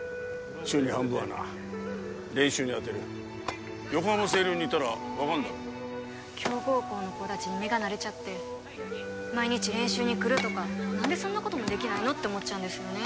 週に半分はな練習に充てる横浜青隆にいたら分かんだろ強豪校の子たちに目が慣れちゃって毎日練習に来るとか何でそんなこともできないのって思っちゃうんですよね